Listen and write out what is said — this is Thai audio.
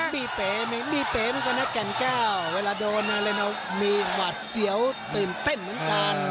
มีเกลียดนั้นก็นักแก่งก้าวเวลาโดนมีหวัดเหี้ยวตื่นเต้นเหมือนกัน